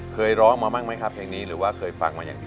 เคยร้องมาบ้างไหมครับเพลงนี้หรือว่าเคยฟังมาอย่างที่